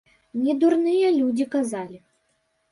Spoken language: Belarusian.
Не дурныя людзі казалі.